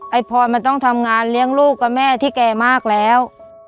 พรมันต้องทำงานเลี้ยงลูกกับแม่ที่แก่มากแล้ว